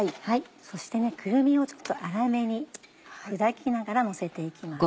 そしてくるみをちょっと粗めに砕きながらのせて行きます。